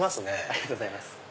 ありがとうございます。